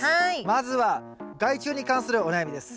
まずは害虫に関するお悩みです。